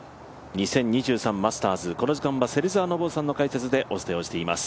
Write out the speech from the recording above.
２０２３マスターズ、この時間は芹澤信雄さんの解説でお伝えをしています。